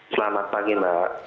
selamat pagi mbak